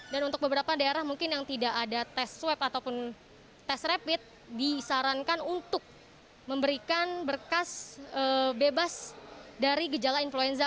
dan untuk beberapa daerah mungkin yang tidak ada tes swab ataupun tes rapid disarankan untuk memberikan berkas bebas dari gejala influenza